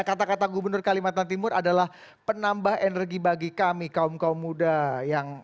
kata kata gubernur kalimantan timur adalah penambah energi bagi kami kaum kaum muda yang